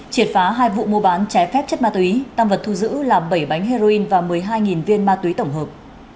triệt phá hai vụ mua bán trái phép chất ma túy tăng vật thu giữ là bảy bánh heroin và một mươi hai viên ma túy tổng hợp